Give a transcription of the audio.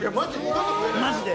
マジで。